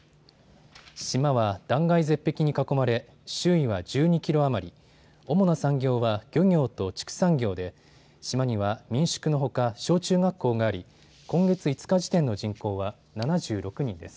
島は断崖絶壁に囲まれ、周囲は１２キロ余り、主な産業は漁業と畜産業で島には民宿のほか小中学校があり、今月５日時点の人口は７６人です。